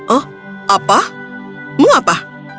oh apa mau apa